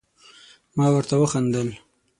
ما ورته وخندل ،